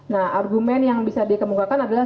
nah argumen yang bisa dikemukakan adalah